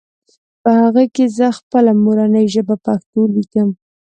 په هغې کې زهٔ خپله مورنۍ ژبه پښتو ليکم